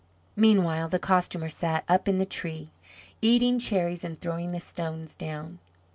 Meanwhile, the Costumer sat up in the tree, eating cherries and throwing the stones down.